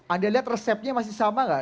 anda lihat resepnya masih sama nggak